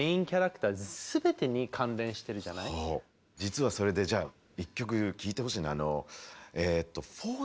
実はそれでじゃあ一曲聴いてほしいな。